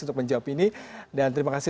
untuk menjawab ini dan terima kasih